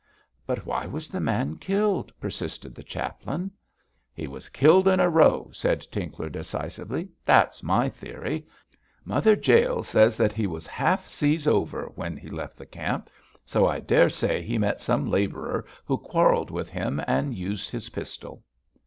'But why was the man killed?' persisted the chaplain. 'He was killed in a row,' said Tinkler, decisively, 'that's my theory. Mother Jael says that he was half seas over when he left the camp, so I daresay he met some labourer who quarrelled with him and used his pistol.'